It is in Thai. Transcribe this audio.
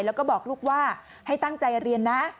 แล้วก็บอกลูกว่าให้ตั้งใจเรียนนะ